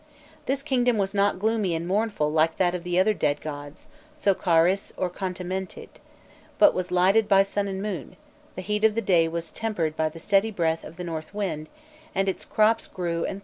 This kingdom was not gloomy and mournful like that of the other dead gods, Sokaris or Khontamentît, but was lighted by sun and moon; the heat of the day was tempered by the steady breath of the north wind, and its crops grew and throve abundantly.